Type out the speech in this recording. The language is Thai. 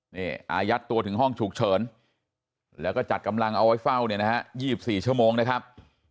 นี่อายัดตัวถึงห้องฉุกเฉินแล้วก็จัดกำลังเอาไว้เฝ้าเนี่ยนะฮะ๒๔ชั่วโมงนะครับ